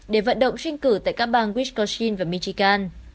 để vận động trinh cử tại các bang wisconsin và michigan